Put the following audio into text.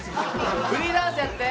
フリーダンスやって！